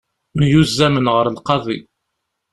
Myuzzamen ɣer lqaḍi.